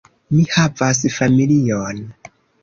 Mi havas familion.